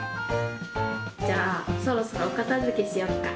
じゃあそろそろおかたづけしよっか。